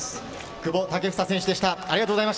久保建英選手でした。